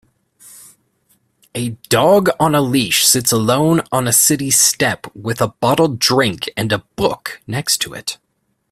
A dog on a leash sits alone on a city step with a bottled drink and a book next to it